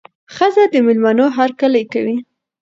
ښځه د مېلمنو هرکلی کوي.